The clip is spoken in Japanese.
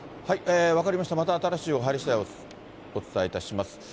分かりました、また新しい情報入りしだい、お伝えいたします。